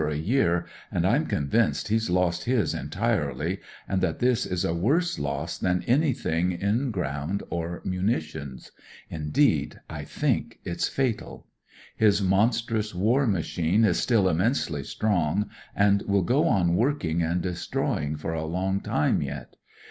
a year, and I'm con vinced he's lost his entirely, and that this is a worse loss than anything in ground or munitions. Indeed, I think it's fatal. His monstrous war machine is still immensely strong, and will go on working and destroy ing for a long time yet.